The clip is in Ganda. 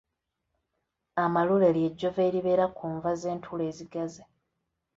Amalule lye jjovu eribeera ku nva z’entula ezigaze.